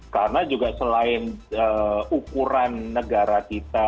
karena juga selain ukuran negara kita